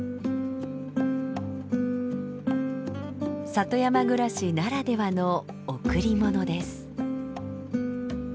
里山暮らしならではの贈り物です。